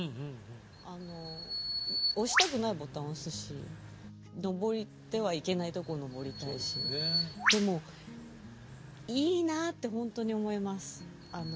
あの押したくないボタン押すし登ってはいけないとこを登りたいしでもいいなってほんとに思います。